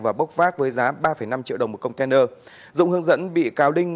và bốc vác với giá ba năm triệu đồng một container dụng hướng dẫn bị cáo đinh